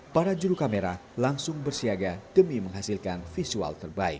para juru kamera langsung bersiaga demi menghasilkan visual terbaik